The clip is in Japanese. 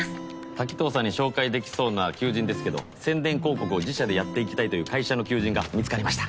滝藤さんに紹介できそうな求人ですけど宣伝広告を自社でやっていきたいという会社の求人が見つかりました。